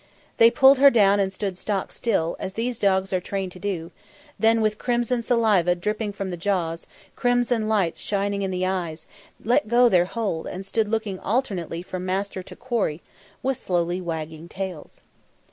They pulled her down and stood stock still, as these dogs are trained to do; then with crimson saliva dripping from the jaws, crimson lights shining in the eyes, let go their hold and stood looking alternately from master to quarry, with slowly wagging tails.